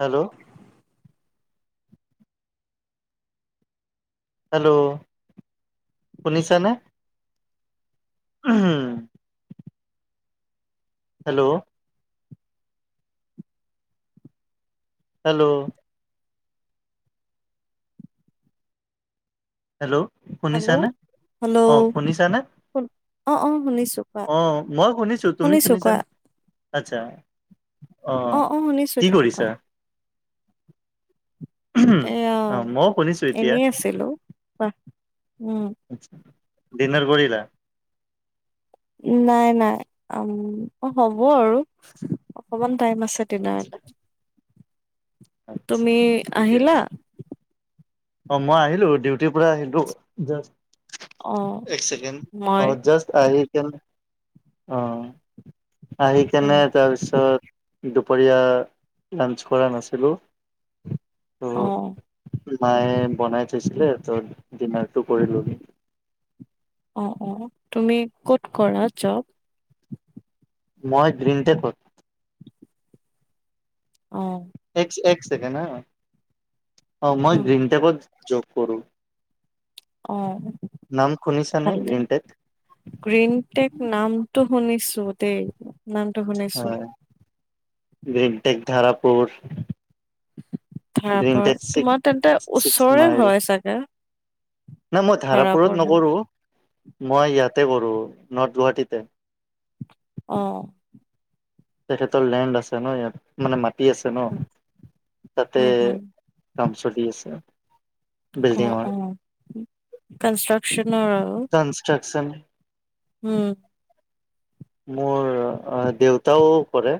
Hello hello শুনিছা নে উম হেল্ল' হেল্ল'। হেল্ল' হেল্ল' শুনিছানে? হেল্ল' অ শুনিছানে? শ অ', অ' শুনিছো। কোৱা অ' মই শুনিছো তুমি শুনিছান আচ্ছা। অ আহ অ শুনিছো কি এতিয়া কোৱা কৰিছা? এ অ' মইও শুনিছো এতিয়া এনেই আছিলো বা ডিনাৰ কৰিলা। নাই নাই উ হ'ব আৰু অকমান। টাইম আছে দি আচ্ছা নহলে। আচ্ছা তুমি ঠিকে আহিলা। আছে অ' মই আহিলো ডিউটিৰ পৰা আহিলো। অ এক চেকেণ্ড মই অ' জাচ আহ নে অ আহি উম কেনে তাৰপিছত। দুপৰীয়া লাঞ্চ কৰা নাছিলোঁ অ মায়ে বনাই থৈছিলে ত ডিনাৰটো কৰি লবি অ তুমি ক'ত কৰা জব মই গ্ৰীণতে ক'ত অ এক এক ছেকেড হা অ মই উম গ্ৰীন টেপত যোগ কৰোঁ অ নে ভালে গ্ৰীণ টেক গ্ৰীনটেক নামটো শুনিছো দেই নামটো শুনিছো গ্ৰীিনটেক দাৰপুৰ তাৰ পৰা গ্ৰীনটেক্ তোমাৰ তেন্তে ছিক্স ওচৰে মাইল হয় চাগে না মই ভাড়া ধাৰাপুৰত পৰা নকৰো মই ইয়াত তাতে কৰো নৰ্থ গুৱাহাটীতে। অ'। তেখেতৰ লেণ্ড আছে ন ইয়াত মানে মাটি আছে ন তাতে। উম, হম, কাম চলি আছে। বিল্ডিঙৰ অ', অ'। কনষ্ট্ৰাকচনৰ আৰু কনষ্ট্ৰাকচন উম। মোৰ দেউতাও কৰে।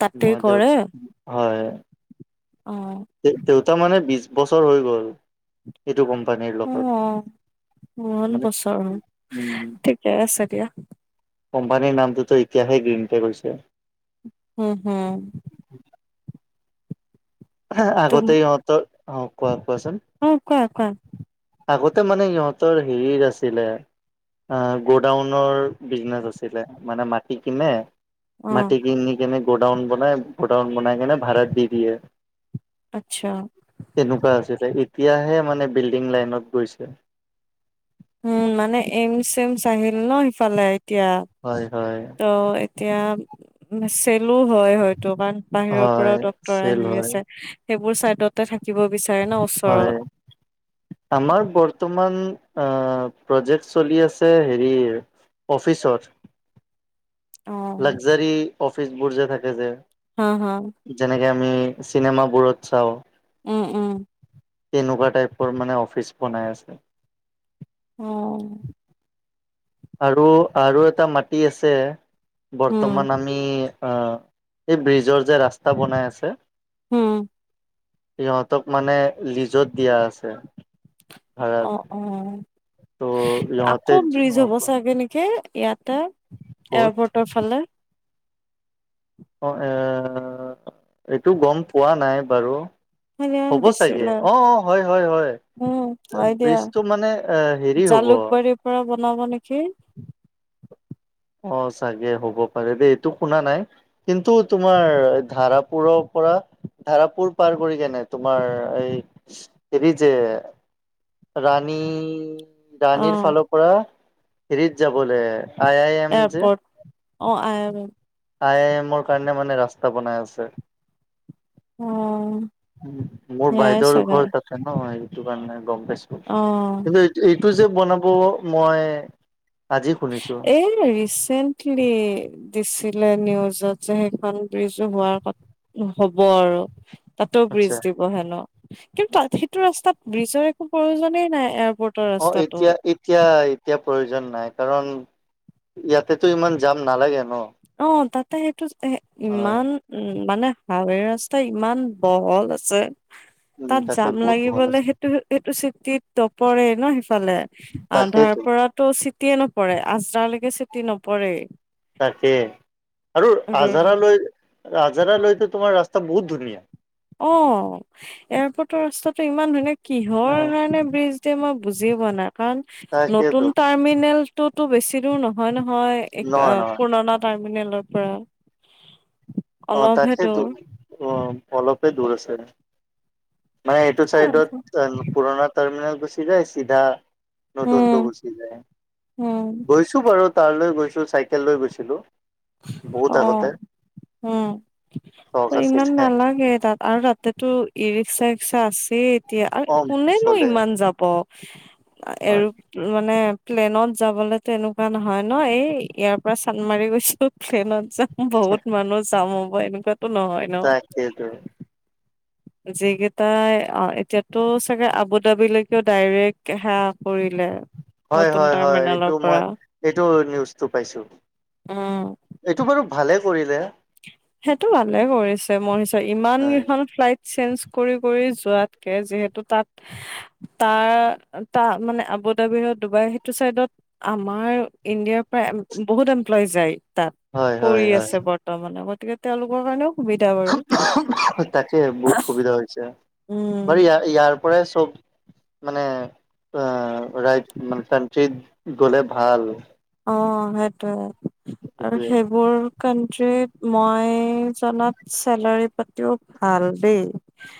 তাতেই মই কৰে হয় অ'। দেউতা মানে বিশ বছৰ হৈ গ'ল এইটো গম। অ' বহুত মানে বছৰ হ'ল উম ঠিকে আছে দিয়া। কোম্পানীৰ নামটোতো এতিয়াহে গ্ৰীণটেক হৈছে। উম হম। তুম আগতেই অত অ কোৱা। কোৱাচোন অ কোৱা। আগতে মানে ইহঁতৰ হেৰিত আছিলে গোডাউনৰ। বিজনেছ আছিলে মানে মাটি কিনে অ', মাটি কিনি কেনে। গোডাউন বনাই গোডাউন বনাই কেনে ভাড়াত দি দিয়ে। আচ্ছা। তেনেকুৱা আছে ত তেতিয়াহে মানে বিল্ডিং লাইনত গৈছে। উম মানে এইমচ চেমচ আহিল ন সিফালে এতিয়া হয় হয় ত' এতিয়া চেলো হয় হয়তোন বাহিৰৰ পৰাও হয় ডক্তৰ চেল আহি হয় আছে। সেইবোৰ চাইডতে থাকে। হয় আমাৰ বৰ্তমান। আহ প্ৰজেক্ট চলি আছে হেৰি অফিচত। অ', লাকজাৰী অফিচবোৰ যে থাকে যে। হা হা। যেনেকে আমি চিনেমাবোৰত চাওঁ। উম উম। তেনেকুৱা টাইপৰ মানে অফিচ বনাই আছে। অ'। আৰু আৰু এটা মাটি আছে উম, বৰ্তমান আমি। অ এই ব্ৰিজৰ যে ৰাস্তা বনাই আছে। হম। সিহঁতক মানে লিজত দিয়া আছে। অ ভাড়াত অ ত' ইহঁতে আকৌ ব্ৰিজ হ'ব ক'ত চাগে। নেকি ইয়াতে এয়াৰপৰ্টৰ ফালে। অ এ এইটো গম পোৱা নাই বাৰু। সেইদিনাখন হ'ব চাগে দিছিলে অ অ হয় হয় হয়। উম হয় দিয়া ব্ৰিজটো মানে এ হেৰি হ'ব জালুকবাৰীৰ পৰা। ল'ব নেকি। অ চাগে হ'ব পাৰে দেই এইটো শুনা নাই কিন্তু তোমাৰ ধাৰাপুৰৰ পৰা। ধাৰাপুৰ পাৰ কৰি কেনে তোমাৰ এই হেৰি যে। ৰাণী ৰাণীৰ অ', ফালৰ পৰা হেৰিড যাবলৈ আ। এয়াৰপৰ্ট অ। [unintelligible] আই আই এমৰ কাৰণে মানে ৰাস্তা বনাই আছে। অ। উম মোৰ সেয়াই বাইদেউৰ চাগে ঘৰ তাতে নহ সেইটো কাৰণে গম পাইছোঁ অ', কিন্তু এই। ইটুযে বনাব মই। আজি শুনিছো এই ৰিচেন্টলি দিছিল। নিউজত যে সেইখন ব্ৰিজ হোৱাৰ কথ হ'ব আৰু। তাতও ব্ৰিজ আচ্ছা দিব হেনো কিন্তু সেইটো ৰাস্তাত ব্ৰীজৰ একো প্ৰয়োজনেই নাই। এয়াৰপৰ্টৰ অ ৰাস্তাটোৰ এতিয়া এতিয়া এতিয়া প্ৰয়োজন নাই। কাৰণ ইয়াতেতো ইমান জাম নালাগে। ন অ তাতে সেইটো হয় ইমান উম মানে। হাৱৈ ৰাস্তা ইমান বহল আছে। উম তাত তাকে যাম বহুত দোকান লাগিবলে আছে সেইটো সেইটো চিটিত নপৰে নহ। [unintelligible] আধাৰ তাকেইতো পৰাতো চিটিয়ে নপৰে আজাৰালৈকেটো চিটি নপৰেই। তাকে আৰু আজাৰালৈ। আজাৰালৈতো তোমাৰ ৰাস্তা বহুত ধুনীয়া। অ এয়াৰপৰ্টৰ ৰাস্তাটো ইমান ধুনীয়া। কিহৰ অ কাৰণে ব্ৰিজ দিয়ে মই বুজি পোৱা নাই কাৰণ তাকেইতো নতুন টাৰ্মিনেল। ততো বেছি দূৰ নহয় নহয় নহয় নহয় পুৰণা টাৰ্মিনেলৰ পৰা। অ অলপহে তাকেইেতো দূৰ। অ অলপে দূৰ আছে। মানে এইটো চাইডত পুৰণা টাৰ্মিনেল গুচি যায় চিধা, নতুনতটো উম, গুচি যায়, উম, গৈছো বাৰু তালৈ গৈছো গৈছো চাইকেল লৈ গৈছিল বহুত আগতে। উ চখ ইমান আছিলে নালাগে তাত আৰু তাতেতো ই ৰিক্সা ৰিক্সা আছেই এতিয়া আৰু অ কোনেনো চলে ইমান যাব এ হয় মানে। প্লেনত যাবলেতো এনেকুৱা নহয় নহ এই ইয়াৰ পৰা চান্দমাৰি গৈছোঁ প্লেনত যাম। বহুত মানুহ যাম হ'ব এনেকুৱা। তাকেতো। যিকেইটাই অ এতিয়াতো চাগে আবু ধাবিলৈকেও ডাইৰেক্ট হা। হয় হয় হয় এইটো মই পৰা এইটো নিউজটো পাইছোঁ। উম এইটো বাৰু ভালে কৰিলে। সেইটো ভালে কৰিছে, মোৰ হিচাপে ইমান হয় কিসণ ফ্লাইট চাঞ্চ কৰি কৰি যুৱাতকে, যিহেতু তাত তাৰ তামানে আবুধাবিৰ ডুবাই স আমাৰ ইণ্ডিয়াৰ পৰা বহুত এমপ্লয় যায়। তাত হয় হয় কৰি হয় আছে বৰ্তমানে গতিকে তেওঁলোকৰ কাৰণেও সুবিধা বাৰু তাকে বহুত সুবিধা হৈছে। উম বাৰু ইয় ইয়াৰ পৰাই চব মানে আহ ৰাই মানে কানট্ৰিত গলে ভাল। অ সেইটোয়ে আৰু সেইটোৱে সেইবোৰ কাউণ্টীট মই জনাত চেলাৰী পাতিও ভাল দেই।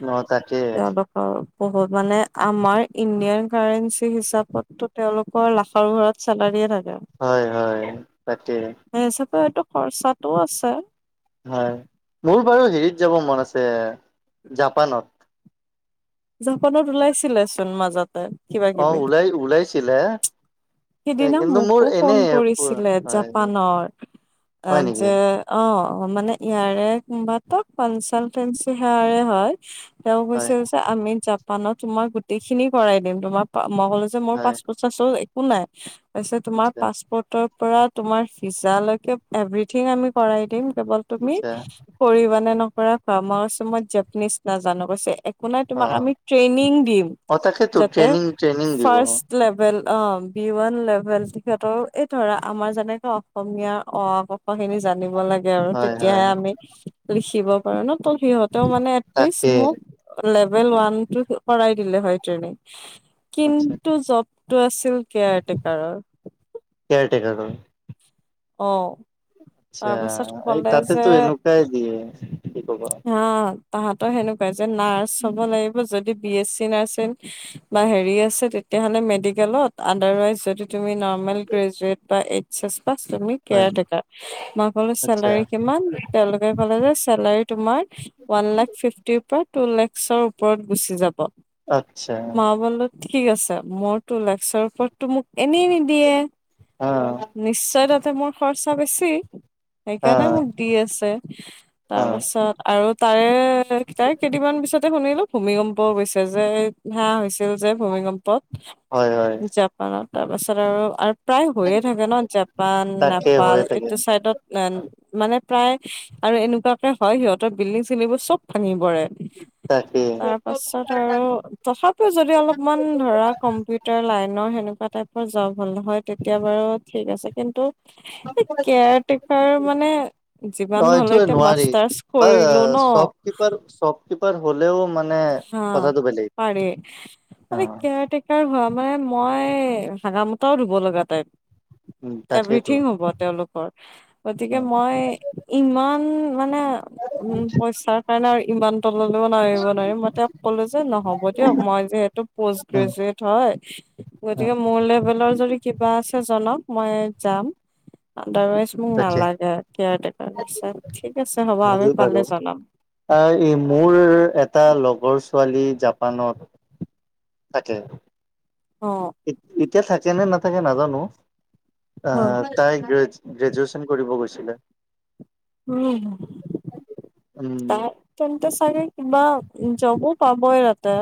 নহ তাকে। তেওঁলোকৰ বহুত মানে আমাৰ ইণ্ডিয়ান কাৰেঞ্চি হিচাপতটো তেওঁলোকৰ লাখৰ ঘৰত চেলাৰে থাকে। হয় হয় তাকে। এইটো খৰচাতটোও আছে। হয় মোৰ বাৰু হেৰিত যাব মন আছে জাপানত, জাপানত ওলাইছিলে চোন মাজতে। কিবা অ কিবি ওলাই ওলাইছিলে এ সিদিনা কিন্তু মোৰ মোকো ফোন এনে কৰিছিলে হয় জাপানৰ, আ হয় নেকি যে অ অ মানে ইয়াৰে কোনোবাত কনচালটেঞ্চি সেয়াৰে হয় তেওঁ হয় কৈছে আমি জাপানত তোমাক গোটেই খিনি কৰাই দিম তোমাৰ মই কলো যে মোৰ হয় পাচপৰ্ত সাঁচ পৰ্ত অ একো নাই তোমাৰ আচ্ছা পাছপৰ্টৰ পৰা তোমাৰ ভিজা লৈকে এভ্ৰথিং আমি কৰাই দিম, কেৱল তুমি আচ্ছা কৰিবা নে নকৰা কোৱা মই কৈছোঁ জেপানিজ নাজানো, কৈছে একো নাই তোমাক অ আমি ট্ৰেইনিং দিম অ তাকেতো যাতে ট্ৰেইনিং ট্ৰেইনিং দিব ফ্ৰাষ্ট লেবেল অ বি ওৱান লেভেল তেখেতৰ এই ধৰা আমাৰ যেনেকে অসমীয়া অ আ ক খ খিনি জানিব লাগে। হয় তেতিয়া হয় আমি লিখিব পাৰো ন সিহঁতৰ মানে এটলিষ্ট তাকে মোক লেভেল ওৱান কৰাই দিলে হয় ট্ৰেইনিং আচ্ছা কিন্তু জবতো আছিল কেয়াৰটেকাৰৰ। কেয়াৰটেকাৰৰ অ আচ্ছা তাৰ পাছত এই তাতেতো এনেকুৱাই দিয়ে। কি কবা হ তাহাতো সেনেকুৱাই যে নাৰ্চ হ'ব লাগিব যদি আছে বা হেৰি আছে তেতিয়া হ'লে মেডিকেলত আন্ডাৰৱাইজ যদি তুমি না গ্ৰেজুৱেট বা এইছ এছ মই হয় কো চেল আচ্ছা কিমান তেওঁলোকে ক যে তুমাৰ ওৱান লাখ ফিফটিৰ পৰা টু লাখৰ ওপৰত গুচি যাব। আচ্ছা। মই বোলো ঠিক আছে মোৰ তো লাগৰ [unintelligible] ওপৰতো মোক এনেই নিদিয়ে, অ নিশ্চয় তাতে মোৰ খৰচা বেছি অ সেইকাৰণে মোক দি আছে তাৰ অ পাছত আৰু তাৰে তাই কেইদিনমান পিছতে শুনিলো ভূমিকম্প গৈছে যে ধে [unintelligible] হৈছে ছিল যে ভূমিকম্পত হয় হয় জাপানত তাৰপাছত আৰু প্ৰায় হৈয়ে থাকে ন' জাপান, তাকে নেপাল হৈ থাকে এইটো চাইডত এ মানে প্ৰায় আৰু এনেকুৱাকে হয় সিহঁতৰ বিল্ডিং চিল্ডিং বোৰ চব ভাঙি পৰে। তাকে তাৰ পাছত আৰু তথাপিও যদি অলপমান ধৰা কম্পিউটাৰ লাইনৰ সেনেকা তেনেকুৱা টাইপৰ জব হ'ল হয় তেতিয়া বাৰু ঠিক আছে কিন্তু কেয়াৰ টেকাৰ মানে যিমান হলে এতিয়া মাছ ব শ্বপকিপাৰ শ্বপকিপাৰ হলেও মানে হা, কথাটো বেলেগ পাৰে অ মানে কেয়াৰটেকাৰ হুৱা মানে মই হাগামতাও ধুব লগা টাইপ। উম তাকেইতো এভৰিথিং হ'ব তেওঁলোকৰ অ গতিকে মই ইমান মানে উম পইচাৰ কাৰণে আৰু ইমান তললৈও নোৱাৰিম। ক'লো যে নহ'ব দিয়ক মই যে এইটো প'স্ত অ গ্ৰেজুৱেট হয়, অ গতিকে কিবা আছে জনাওঁক আাৰাই মোক তাকে নালাগে [unintelligible] ঠিক আছে হ'ব আমি হয় বাৰু পালে জনাম আহ এই মোৰ এটা লগ ৰ ছোৱালী জাপানত থাকে অ এতিয়া থাকে নে নাথাকে নাজানো। হয় আহ তাই গে গ্ৰেজুৱেচন কৰিব গৈছিলে। উম ত উম তেন্ত চাগে কিবা জবো পাবই তাতে।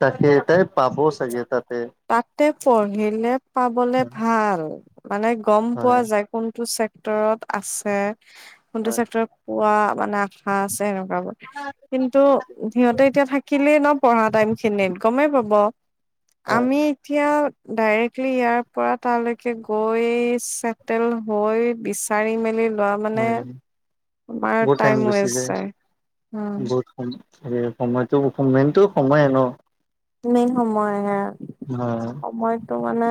তাকেটাই পাব চাগে তাত। তাতে পঢ়িলে পাবলে হয় ভাল মানে গম পোৱা হয় যায় কোনটো চেক্টৰত আছে হয়। কোনটো চেক্টৰত পোৱা মানে আশা আছে এনেকুৱাবোৰ কিন্তু সিহঁতে এতিয়া থাকিলে ন পঢ়া টাইমখিনিত গমেই পাব। [inaudible] আমি এতিয়া ডাইৰেক্টলি ইয়াৰ পৰা তালৈকে গৈ চেটেল হৈ বিচাৰি মেলি লোৱা মানে হয়। তুমাৰ বহুত টাইম গুচি ৱেষ্ট যায় এই সময়তো মেইনটো সময়ে ন'। মেইন সময়ে, হয় সময়তো মানে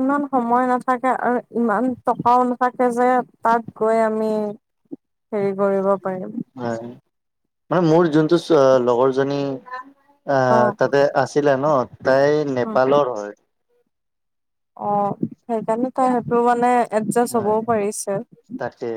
ইমান সময় নাছিল থাকে আৰু ইমান টকাও নাথাকে যে তাত গৈ আমি হেৰি কৰিব পাৰিম। হয় মানে মোৰ যোনটো লগৰজনী অ', আহ তাতে আছিলে ন' তাই নেপালৰ হয়। অ', সেইকাৰণে তই সেইটো মানে এডজাষ্ট হয় হ'বও পাৰিছে। তাকে